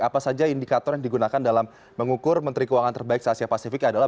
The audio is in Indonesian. apa saja indikator yang digunakan dalam mengukur menteri keuangan terbaik se asia pasifik adalah